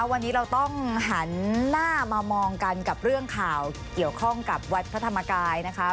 วันนี้เราต้องหันหน้ามามองกันกับเรื่องข่าวเกี่ยวข้องกับวัดพระธรรมกายนะคะ